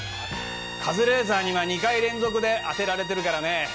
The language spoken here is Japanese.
カズレーザーには２回連続で当てられてるからね